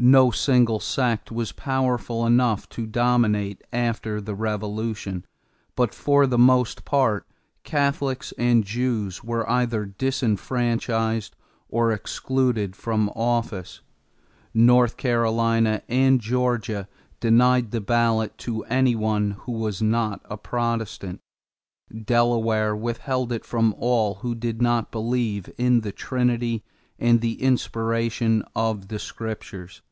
No single sect was powerful enough to dominate after the Revolution, but, for the most part, Catholics and Jews were either disfranchised or excluded from office. North Carolina and Georgia denied the ballot to any one who was not a Protestant. Delaware withheld it from all who did not believe in the Trinity and the inspiration of the Scriptures.